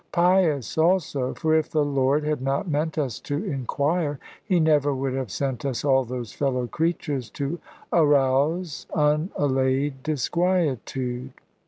Pious also; for if the Lord had not meant us to inquire, He never would have sent us all those fellow creatures to arouse unallayed disquietude.